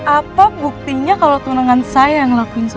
apa buktinya kalau tunangan saya yang ngelakuin semua itu